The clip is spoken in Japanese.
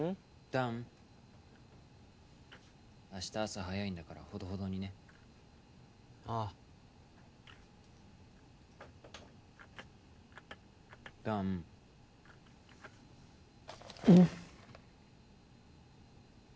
弾明日朝早いんだからほどほどにねああ弾うん？